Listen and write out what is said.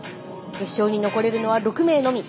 決勝に残れるのは６名のみ。